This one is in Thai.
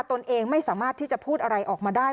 ตนเองไม่สามารถที่จะพูดอะไรออกมาได้